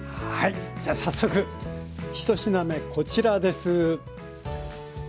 はいじゃ早速１品目こちらです。